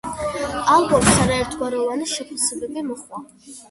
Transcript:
ალბომს არაერთგვაროვანი შეფასებები მოჰყვა.